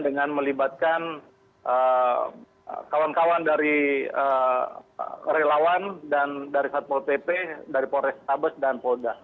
dengan melibatkan kawan kawan dari relawan dan dari satpol pp dari polrestabes dan polda